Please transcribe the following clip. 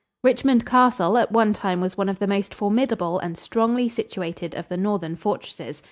Richmond Castle at one time was one of the most formidable and strongly situated of the northern fortresses.